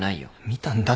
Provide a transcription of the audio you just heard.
見たんだ！